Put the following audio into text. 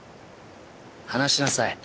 離しなさい。